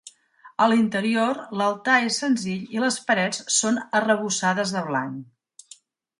A l'interior, l'altar és senzill i les parets són arrebossades de blanc.